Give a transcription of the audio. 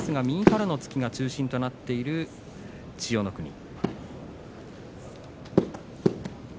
右からの突きが中心となっている千代の国。